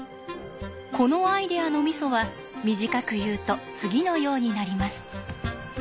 このアイデアのミソは短く言うと次のようになります。